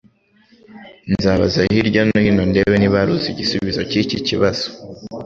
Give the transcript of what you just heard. Nzabaza hirya no hino ndebe niba hari uzi igisubizo cyiki kibazo.